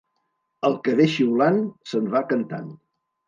El que ve xiulant se'n va cantant.